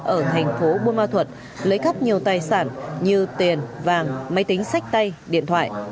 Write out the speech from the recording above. ở thành phố bùa ma thuật